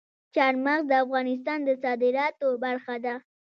چار مغز د افغانستان د صادراتو برخه ده.